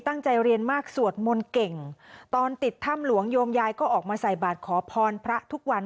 ตั้งใจเรียนมากสวดมนต์เก่งตอนติดถ้ำหลวงโยมยายก็ออกมาใส่บาทขอพรพระทุกวัน